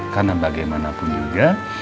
karena bagaimanapun juga